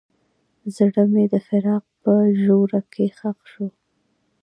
زړه مې د فراق په ژوره کې ښخ شو.